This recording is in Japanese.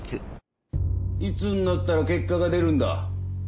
いつになったら結果が出るんだ？